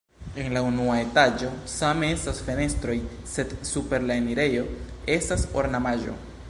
En la unua etaĝo same estas fenestroj, sed super la enirejo estas ornamaĵo.